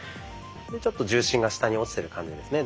でちょっと重心が下に落ちてる感じですね